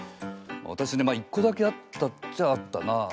わたしねまあ一個だけあったっちゃあったなあ。